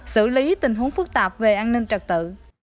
xử lý tình huống phức tạp về an ninh trật tự